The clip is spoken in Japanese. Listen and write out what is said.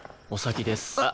お先です。